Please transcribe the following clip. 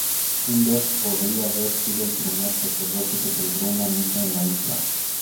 Imbert podría haber sido el primer sacerdote que celebró una misa en la isla.